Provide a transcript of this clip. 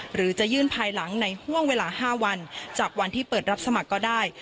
หรือจะยื่นภายหลังในห่วงเวลา๕วันจากวันที่เปิดรับสมัครก็ได้